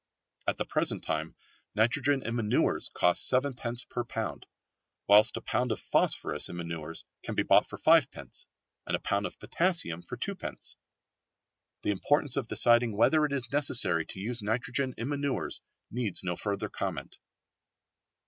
At the present time nitrogen in manures costs sevenpence per pound, whilst a pound of phosphorus in manures can be bought for fivepence, and a pound of potassium for twopence. The importance of deciding whether it is necessary to use nitrogen in manures needs no further comment.